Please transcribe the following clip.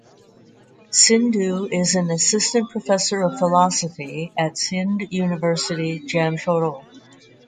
Sindhu is an assistant professor of philosophy at Sindh University Jamshoro.